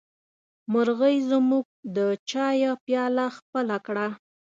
مرغۍ زموږ د چايه پياله خپله کړه.